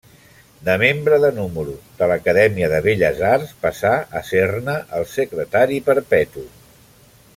De membre de número de l'Acadèmia de Belles Arts passà a ser-ne el secretari perpetu.